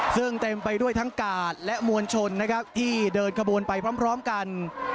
ซึ่งเต็มไปด้วยทั้งกาดและมวลชนนะครับที่เดินขบวนไปพร้อมกัน